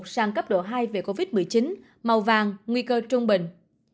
sang cấp độ hai về covid một mươi chín màu vàng nguy cơ trung bình